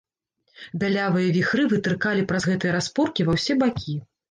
Бялявыя віхры вытыркалі праз гэтыя распоркі ва ўсе бакі.